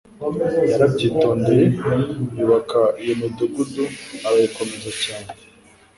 yarabyitondeye yubaka iyo midugudu arayikomeza cyane